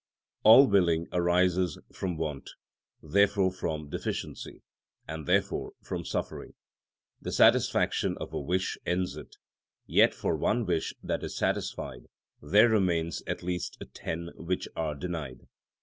All willing arises from want, therefore from deficiency, and therefore from suffering. The satisfaction of a wish ends it; yet for one wish that is satisfied there remain at least ten which are denied.